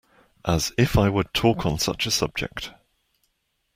As if I would talk on such a subject!